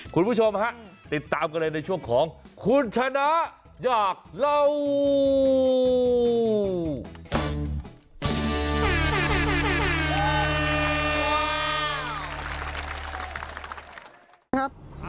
คุณผู้ชมฮะติดตามกันเลยในช่วงของคุณชนะอยากเล่า